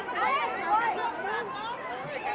ต้องใจร่วม